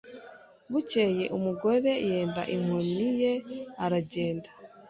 Bukeye umugore yenda inkoni ye aragenda